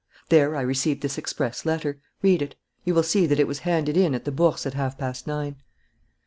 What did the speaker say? There I received this express letter. Read it. You will see that it was handed in at the Bourse at half past nine."